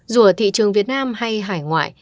dù ở thị trường việt nam hay hải ngoại